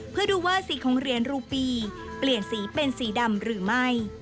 เพื่อดูว่าสีของเหรียญรูปีเปลี่ยนสีเป็นสีดำหรือไม่